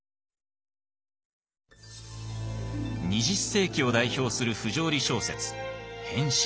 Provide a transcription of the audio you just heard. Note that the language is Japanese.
２０世紀を代表する不条理小説「変身」。